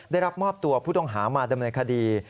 ได้รับมอบตัวผู้ต้องหามาดำเนินคดี